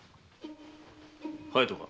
隼人か？